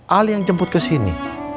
al yang jemput kesini